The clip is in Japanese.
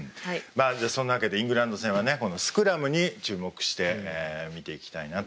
まあそんなわけでイングランド戦はねこのスクラムに注目して見ていきたいなと思いますが続いて。